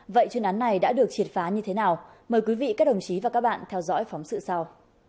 vậy chuyên án này đã được triệt phá như thế nào mời quý vị các đồng chí và các bạn theo dõi phóng sự sau